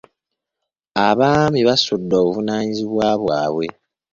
Abaami basudde obuvunaanyizibwa bwabwe.